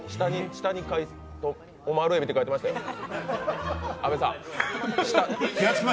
下にオマールえびって書いてありましたよ、阿部さん。